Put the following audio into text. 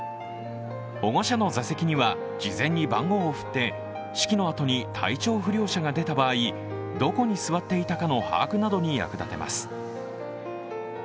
保護者の座席には事前に番号を振って式のあとに体調不良者が出た場合にどこに座っていたかの把握などに役立てます。